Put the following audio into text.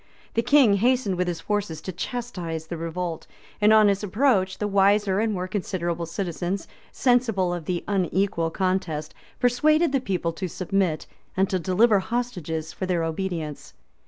[*] The king hastened with his forces to chastise the revolt; and on his approach, the wiser and more considerable citizens, sensible of the unequal contest, persuaded the people to submit, and to deliver hostages for their obedience.